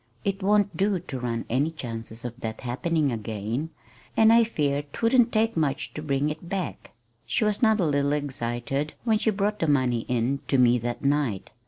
It won't do to run any chances of that happening again; and I fear 'twouldn't take much to bring it back. She was not a little excited when she brought the money in to me that night.